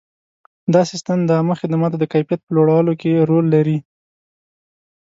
دا سیستم د عامه خدماتو د کیفیت په لوړولو کې رول لري.